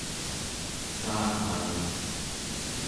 saarralaq